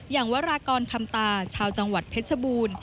วรากรคำตาชาวจังหวัดเพชรบูรณ์